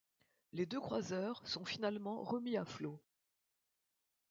Les deux croiseurs sont finalement remis à flot.